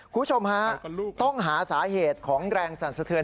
คุณผู้ชมฮะต้องหาสาเหตุของแรงสั่นสะเทือน